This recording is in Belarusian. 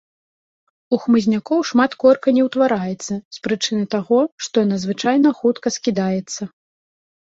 У хмызнякоў шмат корка не ўтвараецца, з прычыны таго, што яна звычайна хутка скідаецца.